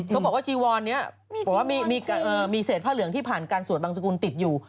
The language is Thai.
เขาบอกว่าจีวอนนี้บอกว่ามีเศษผ้าเหลืองที่ผ่านการสวดบังสกุลติดอยู่